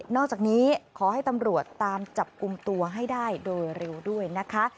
อกจากนี้ขอให้ตำรวจตามจับกลุ่มตัวให้ได้โดยเร็วด้วยนะคะ